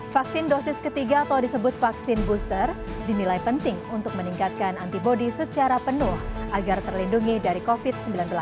vaksin dosis ketiga atau disebut vaksin booster dinilai penting untuk meningkatkan antibody secara penuh agar terlindungi dari covid sembilan belas